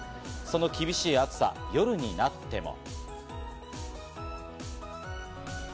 その厳しい暑さ、夜になっても。